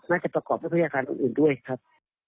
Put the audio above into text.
น่าจะประกอบกับพฤษฐาอื่นด้วยครับ